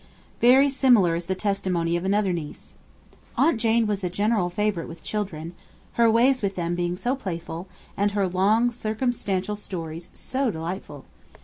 Very similar is the testimony of another niece: 'Aunt Jane was the general favourite with children; her ways with them being so playful, and her long circumstantial stories so delightful.